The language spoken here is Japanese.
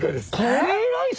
カレーライス